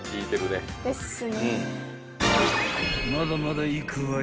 ［まだまだいくわよ］